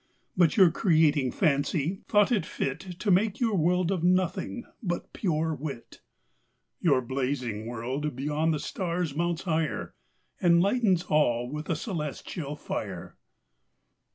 But your Creating Fancy, thought it fit To make your World of Nothing, but pure Wit. Your Blazing World, beyond the Stars mounts higher, Enlightens all with a Cœlestial Fier. William Newcastle.